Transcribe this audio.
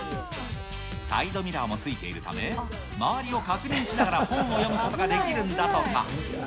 サイドミラーもついているため、周りを確認しながら本を読むことができるんだとか。